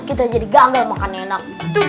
kita jadi gagal makannya enak